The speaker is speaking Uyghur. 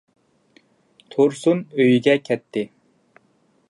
تۇرسۇن ئۆيىگە كەتتى.